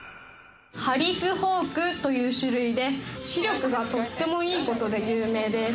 ハリスホークという種類で視力がとってもいいことで有名です。